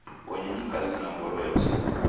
Bonyenyi kazi na ngolo yose.